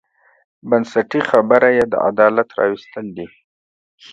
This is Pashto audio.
بنسټي خبره یې د عدالت راوستل دي.